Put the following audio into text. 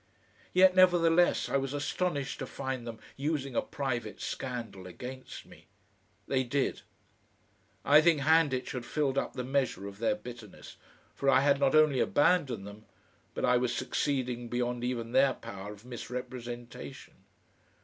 Yet, nevertheless, I was astonished to find them using a private scandal against me. They did. I think Handitch had filled up the measure of their bitterness, for I had not only abandoned them, but I was succeeding beyond even their power of misrepresentation.